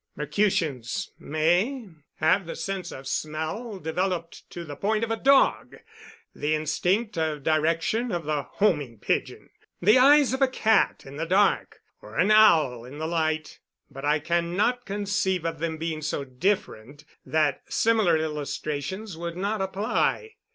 "Mercutians may have the sense of smell developed to the point of a dog; the instinct of direction of the homing pigeon; the eyes of a cat in the dark, or an owl in the light; but I cannot conceive of them being so different that similar illustrations would not apply.